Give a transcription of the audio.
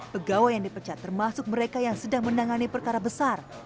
pegawai yang dipecat termasuk mereka yang sedang menangani perkara besar